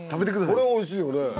これはおいしいよね。